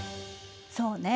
そうね。